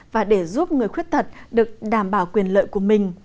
và để giúp người khuyết tật được đảm bảo quyền lợi của mình